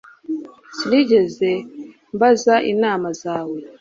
Sinigeze mbaza inama zawe